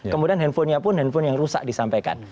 kemudian handphonenya pun handphone yang rusak disampaikan